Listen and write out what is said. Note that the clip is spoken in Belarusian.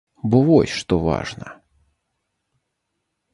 Бо вось што важна.